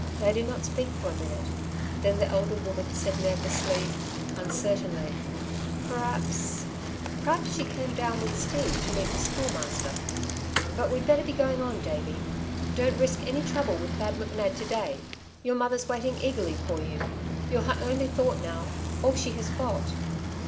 They did not speak for a minute. Then the elder woman said nervously, uncertainly: "P'raps ... p'raps she came down with Steve to meet the Schoolmaster. But we'd better be going on, Davey. Don't risk any trouble with Thad McNab to day. Your mother's waiting eagerly for you. You're her only thought now. All she has got."